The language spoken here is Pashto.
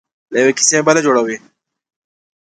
له یوې کیسې بله جوړوي.